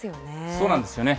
そうなんですよね。